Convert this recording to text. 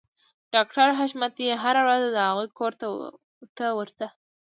ډاکټر حشمتي هره ورځ د هغوی کور ته ورته